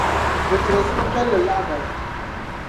bɛ tiri suhupεlli lahibali.